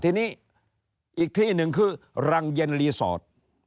ทีนี้อีกที่หนึ่งคือรังเย็นรีสอร์ท